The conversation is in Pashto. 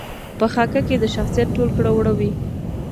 په خاکه کې د شخصیت ټول کړه وړه وي.